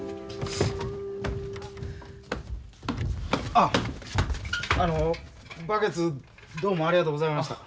あっあのバケツどうもありがとうございました。